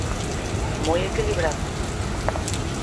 Moi equilibrado.